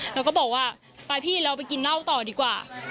เราก็บอกว่าไปพี่เราไปกินเหล้าต่อดีกว่า